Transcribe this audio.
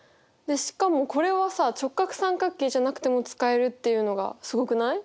しかもこれはさ直角三角形じゃなくても使えるっていうのがすごくない？